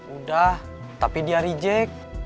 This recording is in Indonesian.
udah tapi dia reject